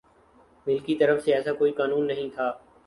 مل کی طرف سے ایسا کوئی قانون نہیں تھا